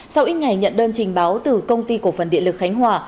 sau ít ngày nhận đơn trình báo từ công ty cổ phần điện lực khánh hòa